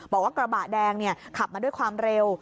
บอกว่ากระบะแดงขับมาด้วยความเร็ว